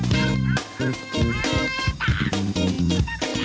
สวัสดีค่ะ